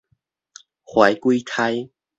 懷鬼胎